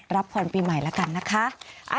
รับพรปีใหม่แล้วกันนะคะ